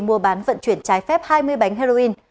mua bán vận chuyển trái phép hai mươi bánh heroin